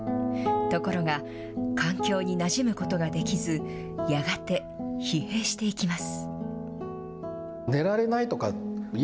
ところが、環境になじむことができず、やがて疲弊していきます。